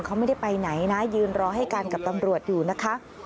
เขาไม่ได้ไปไหนนะยืนรอให้กันกับตำรวจอยู่นะคะ